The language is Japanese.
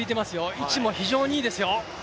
位置も非常にいいですよ。